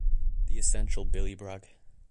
The Essential Billy Bragg.